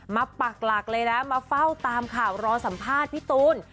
ปักหลักเลยนะมาเฝ้าตามข่าวรอสัมภาษณ์พี่ตูน